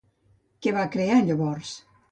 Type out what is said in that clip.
Què va crear llavors?